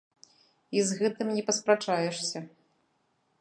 І з гэтым не паспрачаешся.